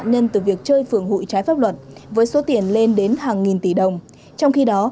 nạn nhân từ việc chơi phường hụi trái pháp luật với số tiền lên đến hàng nghìn tỷ đồng trong khi đó